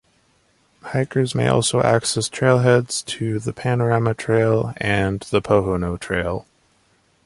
Hikers may also access trailheads to the Panorama trail and the Pohono trail.